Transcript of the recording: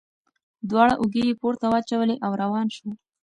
دواړه اوږې یې پورته واچولې او روان شو.